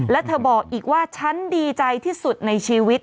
และเธอบอกอีกว่าฉันดีใจที่สุดในชีวิต